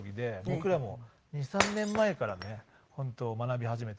僕らも２３年前からね本当学び始めたんですけど。